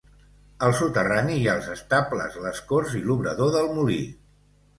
Al soterrani hi ha els estables, les corts i l'obrador del molí.